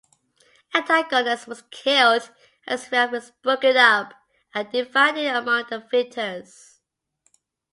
Antigonus was killed, and his realm was broken up and divided among the victors.